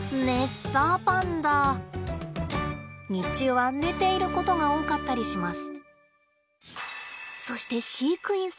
日中は寝ていることが多かったりします。